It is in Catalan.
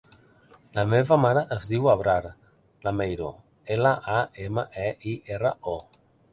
La meva mare es diu Abrar Lameiro: ela, a, ema, e, i, erra, o.